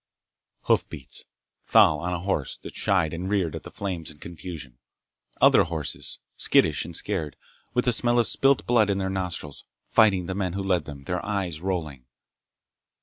Hoofbeats. Thal on a horse that shied and reared at the flames and confusion. Other horses, skittish and scared, with the smell of spilt blood in their nostrils, fighting the men who led them, their eyes rolling.